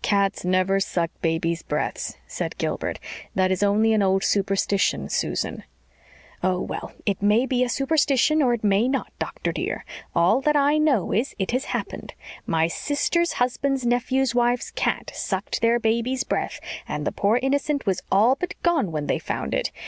"Cats never suck babies' breaths," said Gilbert. "That is only an old superstition, Susan." "Oh, well, it may be a superstition or it may not, doctor, dear. All that I know is, it has happened. My sister's husband's nephew's wife's cat sucked their baby's breath, and the poor innocent was all but gone when they found it.